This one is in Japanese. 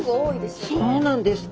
そうなんです。